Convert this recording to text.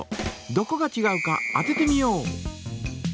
どこがちがうか当ててみよう！